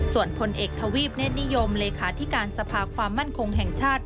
ส่วนพลเอกทวีปเนธนิยมเลขาธิการสภาความมั่นคงแห่งชาติ